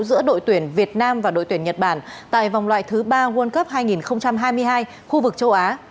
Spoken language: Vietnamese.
giữa đội tuyển việt nam và đội tuyển nhật bản tại vòng loại thứ ba world cup hai nghìn hai mươi hai khu vực châu á